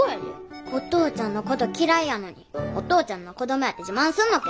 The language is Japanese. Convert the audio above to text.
お父ちゃんのこと嫌いやのにお父ちゃんの子供やて自慢すんのけ？